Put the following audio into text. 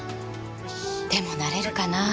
でもなれるかなぁ？